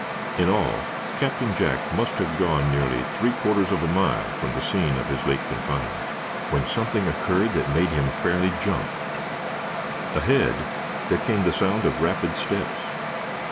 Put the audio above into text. In all, Captain Jack must have gone nearly three quarters of a mile from the scene of his late confinement when something occurred that made him fairly jump. Ahead there came the sound of rapid steps.